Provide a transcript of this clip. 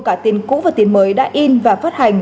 cả tiền cũ và tiền mới đã in và phát hành